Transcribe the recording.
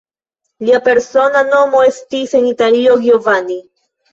Lia persona nomo estis en Italio Giovanni.